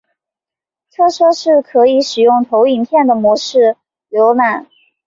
特色是可以使用投影片的模式浏览。